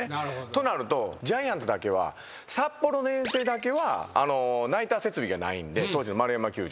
となるとジャイアンツだけは札幌の遠征だけはナイター設備がないんで当時の円山球場。